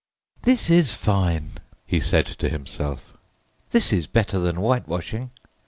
"This is fine!" he said to himself. "This is better than whitewashing!"